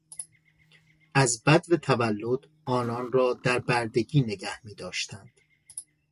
از بدو تولد آنان را در بردگی نگه میداشتند.